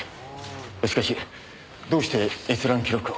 しかしどうして閲覧記録を？